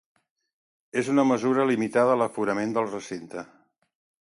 És una mesura limitada a l’aforament del recinte.